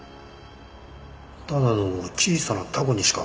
ただの小さなタコにしか。